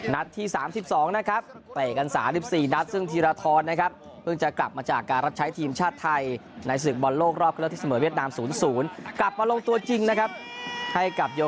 นัดที่๓๒นะครับแต่กันสาย๑๔นัดซึ่งทีรทรนะครับ